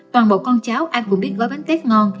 toàn bộ con cháu ăn cũng biết gói bánh tét ngon